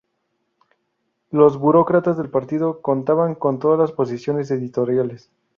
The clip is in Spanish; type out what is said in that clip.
Los burócratas del partido contaban con todas las posiciones editoriales.